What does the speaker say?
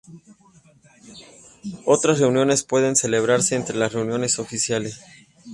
Otras reuniones pueden celebrarse entre las reuniones oficiales.